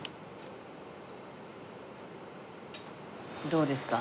どうですか？